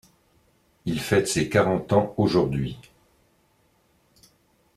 Il fête ses quarante ans aujourd'hui.